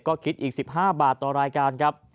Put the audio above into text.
ก็คิดอีก๑๕บาทต่อรายการครับ